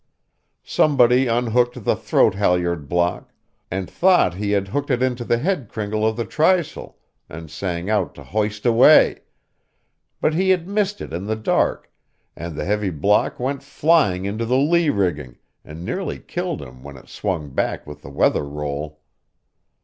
Somebody unhooked the throat halliard block, and thought he had hooked it into the head cringle of the trysail, and sang out to hoist away, but he had missed it in the dark, and the heavy block went flying into the lee rigging, and nearly killed him when it swung back with the weather roll.